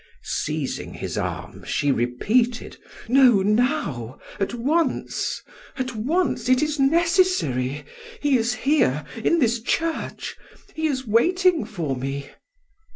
Seizing his arm she repeated: "No, now, at once at once! It is necessary! He is here! In this church! He is waiting for me."